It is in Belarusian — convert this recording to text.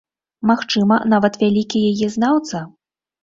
Магчыма, нават вялікі яе знаўца?